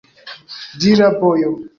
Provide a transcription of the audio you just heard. Dira bojo!